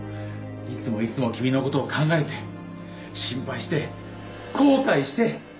いつもいつも君の事を考えて心配して後悔して。